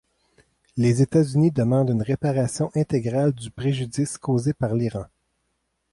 Les États-Unis demandent une réparation intégrale du préjudice causé par l’Iran.